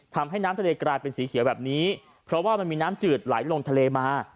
ทำให้น้ำทะเลกลายเป็นสีเขียวแบบนี้เพราะว่ามันมีน้ำจืดไหลลงทะเลมา